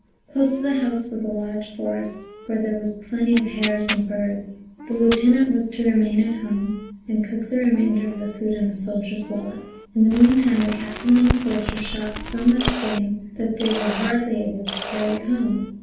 Close to the house was a large forest where there were plenty of hares and birds. The lieutenant was to remain at home and cook the remainder of the food in the soldier's wallet. In the meantime the captain and the soldier shot so much game that they were hardly able to carry it home.